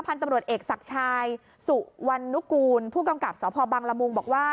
คัณฐ์ตำรวจเอกษักรชายศุวรณกูลผู้กำกับสบบังละมูงบอกว่า